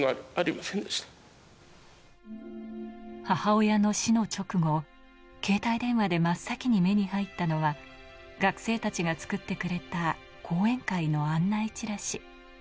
母親の死の直後、携帯電話で真っ先に目に入ったのが学生たちが作ってくれた講演会の案内チラシ。